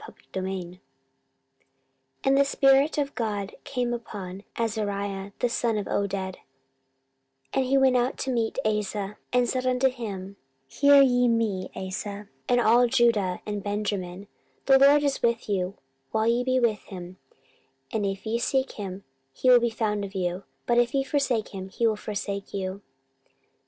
14:015:001 And the Spirit of God came upon Azariah the son of Oded: 14:015:002 And he went out to meet Asa, and said unto him, Hear ye me, Asa, and all Judah and Benjamin; The LORD is with you, while ye be with him; and if ye seek him, he will be found of you; but if ye forsake him, he will forsake you.